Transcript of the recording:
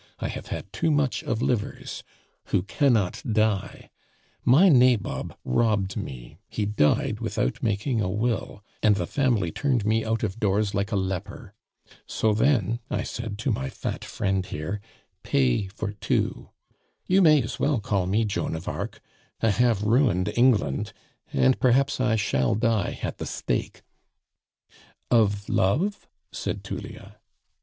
I have had too much of livers who cannot die. My nabob robbed me; he died without making a will, and the family turned me out of doors like a leper. So, then, I said to my fat friend here, 'Pay for two!' You may as well call me Joan of Arc; I have ruined England, and perhaps I shall die at the stake " "Of love?" said Tullia.